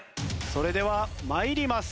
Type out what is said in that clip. それでは参ります。